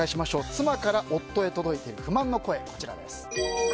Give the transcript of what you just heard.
妻から夫に届いている不満の声です。